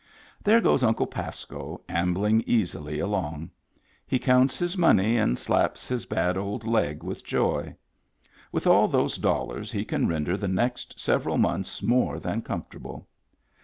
There goes Uncle Pasco, am bling easily along. He counts his money, and slaps his bad old leg with joy. With all those dollars he can render the next several months more than comfortable.